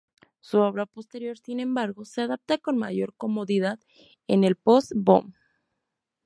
Su obra posterior, sin embargo, se adapta con mayor comodidad en el post-"boom".